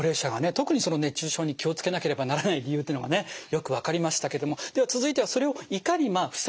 特にその熱中症に気を付けなければならない理由っていうのがねよく分かりましたけどもでは続いてはそれをいかに防ぐかですよね。